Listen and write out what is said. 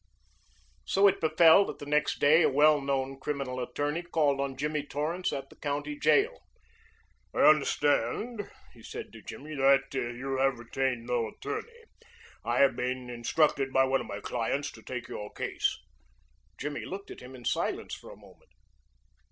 So it befell that the next day a well known criminal attorney called on Jimmy Torrance at the county jail. "I understand," he said to Jimmy, "that you have retained no attorney. I have been instructed by one of my clients to take your case." Jimmy looked at him in silence for a moment.